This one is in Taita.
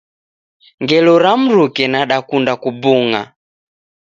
Ngelo ra mruke nadakunda kubung'a